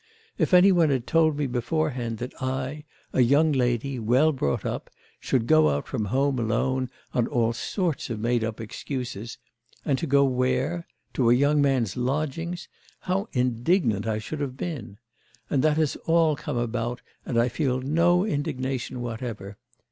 If any one had told me beforehand that I, a young lady, well brought up, should go out from home alone on all sorts of made up excuses, and to go where? to a young man's lodgings how indignant I should have been! And that has all come about, and I feel no indignation whatever.